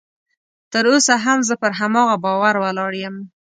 تر اوسه هم زه پر هماغه باور ولاړ یم